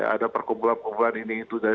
ada perkumpulan kumpulan ini itu